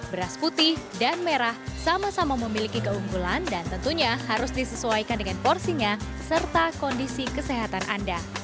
beras putih dan merah sama sama memiliki keunggulan dan tentunya harus disesuaikan dengan porsinya serta kondisi kesehatan anda